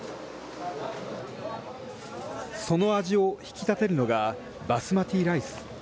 その味を引き立てるのがバスマティライス。